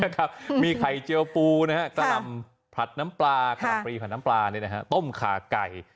ครับมีไข่เจียวปูนะครับตะลำผัดน้ำปลาต้มขาไก่